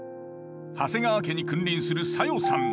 長谷川家に君臨する小夜さん。